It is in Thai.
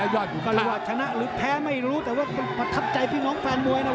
ยอดอยู่ก็รู้ว่าชนะหรือแพ้ไม่รู้แต่ว่าประทับใจพี่น้องแฟนมวยนะ